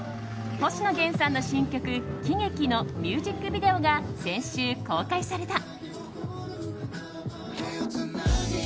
星野源さんの新曲「喜劇」のミュージックビデオが先週、公開された。